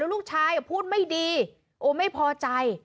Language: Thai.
ลูกชายพูดไม่ดีโอ้ไม่พอใจ